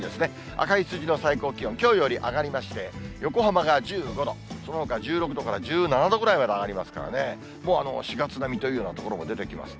赤い数字の最高気温、きょうより上がりまして、横浜が１５度、そのほか１６度から１７度ぐらいまで上がりますからね、もう４月並みというような所も出てきました。